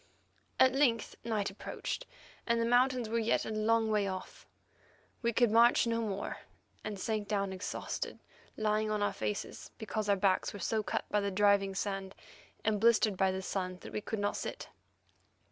At length night approached, and the mountains were yet a long way off. We could march no more, and sank down exhausted, lying on our faces, because our backs were so cut by the driving sand and blistered by the sun that we could not sit.